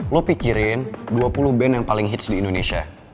lo pikirin dua puluh band yang paling hits di indonesia